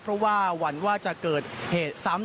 เพราะว่าหวั่นว่าจะเกิดเหตุซ้ำ